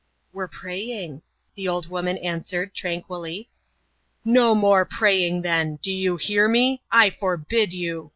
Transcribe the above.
"We're praying," the old woman answered tranquilly. "No more praying then! Do you hear me? I forbid you!"